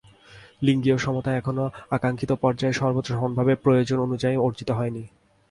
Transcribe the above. লিঙ্গীয় সমতা এখনো আকাঙ্ক্ষিত পর্যায়ে সর্বত্র সমানভাবে প্রয়োজন অনুযায়ী অর্জিত হয়নি।